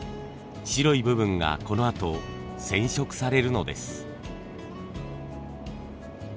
白い部分がこのあと染色されるのです。